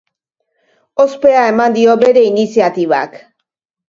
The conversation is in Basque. Ospea eman dio bere iniziatibak.